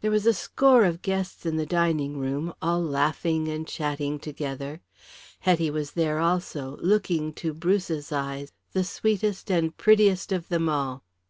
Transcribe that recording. There was a score of guests in the drawing room, all laughing and chatting together. Hetty was there also, looking, to Bruce's eyes, the sweetest and prettiest of them all.